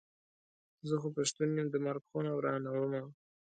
زه خو پښتون یم د مرک خونه ورانومه.